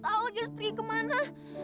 gak tau lagi seperti kemana